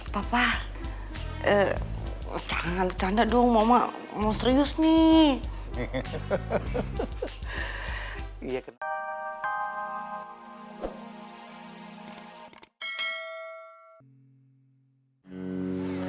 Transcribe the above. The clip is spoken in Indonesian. papa jangan bercanda dong mama mau serius nih